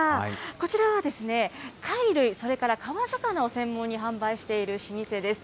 こちらは、貝類、それから川魚を専門に販売している老舗です。